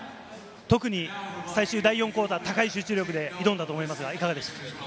特に最終第４クオーター、高い集中力で挑んだと思います。